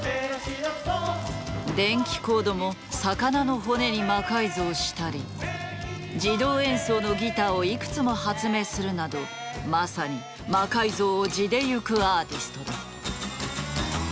電気コードも魚の骨に魔改造したり自動演奏のギターをいくつも発明するなどまさに魔改造を地で行くアーティスト。